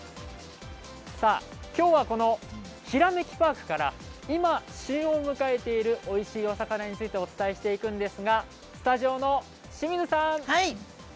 きょうはこの「ひらめきパーク」から今、旬を迎えているおいしいお魚についてお伝えしていくんですがスタジオの清水さん